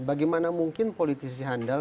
bagaimana mungkin politisi handal